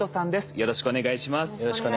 よろしくお願いします。